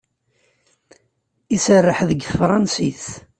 Iserreḥ deg tefṛansit.